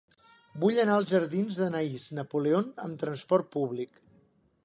Vull anar als jardins d'Anaïs Napoleon amb trasport públic.